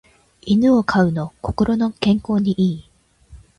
犬を飼うの心の健康に良い